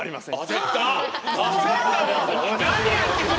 焦った。